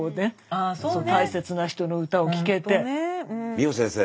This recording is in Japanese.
美穂先生